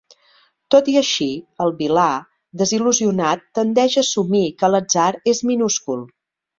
Tot i així, el vilà desil·lusionat tendeix a assumir que l'atzar és minúscul.